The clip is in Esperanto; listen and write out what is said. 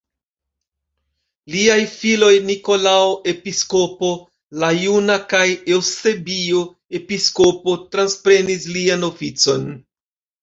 Liaj filoj Nikolao Episkopo la Juna kaj Eŭsebio Episkopo transprenis lian oficon.